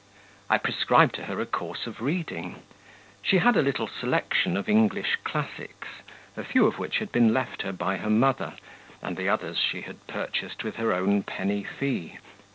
I prescribed to her a course of reading; she had a little selection of English classics, a few of which had been left her by her mother, and the others she had purchased with her own penny fee.